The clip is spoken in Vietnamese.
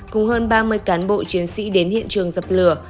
cùng hơn ba mươi cán bộ chiến sĩ đến hiện trường dập lửa